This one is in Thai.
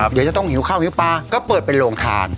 เดี๋ยวจะต้องหิวข้าวหิวปลาก็เปิดเป็นโรงทาน